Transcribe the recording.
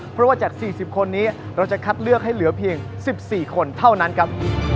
เพราะว่าจาก๔๐คนนี้เราจะคัดเลือกให้เหลือเพียง๑๔คนเท่านั้นครับ